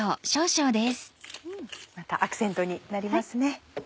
またアクセントになりますね。